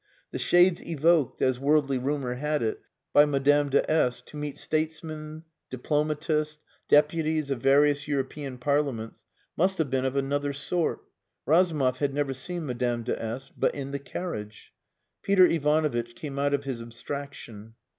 The shades evoked, as worldly rumour had it, by Madame de S to meet statesmen, diplomatists, deputies of various European Parliaments, must have been of another sort. Razumov had never seen Madame de S but in the carriage. Peter Ivanovitch came out of his abstraction.